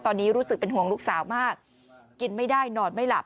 ตอนนี้รู้สึกเป็นห่วงลูกสาวมากกินไม่ได้นอนไม่หลับ